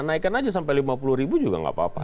naikkan aja sampai lima puluh ribu juga nggak apa apa